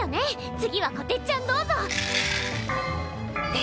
次はこてっちゃんどうぞ！